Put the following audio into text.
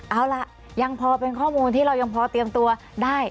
เอาล่ะยังพอเป็นข้อมูลที่เรายังพอเตรียมตัวได้